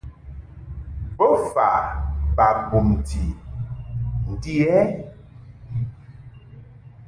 Bofa ba bumti ndi ɛ?